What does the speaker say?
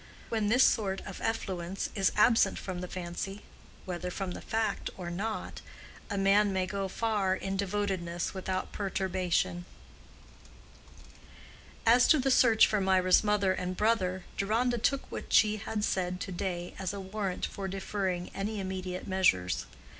When this sort of effluence is absent from the fancy (whether from the fact or not) a man may go far in devotedness without perturbation. As to the search for Mirah's mother and brother, Deronda took what she had said to day as a warrant for deferring any immediate measures.